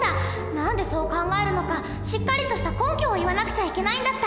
何でそう考えるのかしっかりとした根拠を言わなくちゃいけないんだった！